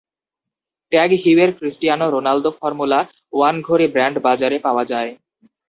Tag হিউয়ের Cristiano Ronaldo Formula One ঘড়ি brand বাজারে পাওয়া যায়।